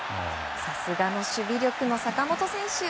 さすがの守備力の坂本選手。